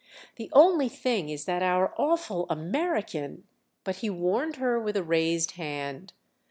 "The only thing is that our awful American——!" But he warned her with a raised hand.